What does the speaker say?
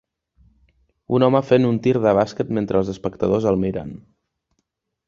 Un home fent un tir de bàsquet mentre els espectadors el miren.